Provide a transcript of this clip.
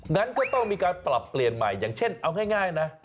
งั้นก็ต้องมีการปรับเปลี่ยนใหม่อย่างเช่นเอาง่ายนะ